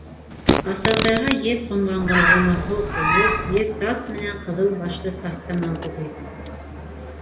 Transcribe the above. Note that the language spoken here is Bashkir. Аса-тайға еҙ ҡомғанға йылы һыу ҡойоп, еҙ тас менән ҡыҙыл башлы таҫтамалды бир.